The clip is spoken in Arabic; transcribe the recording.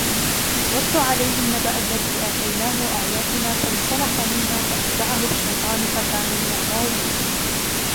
وَاتْلُ عَلَيْهِمْ نَبَأَ الَّذِي آتَيْنَاهُ آيَاتِنَا فَانْسَلَخَ مِنْهَا فَأَتْبَعَهُ الشَّيْطَانُ فَكَانَ مِنَ الْغَاوِينَ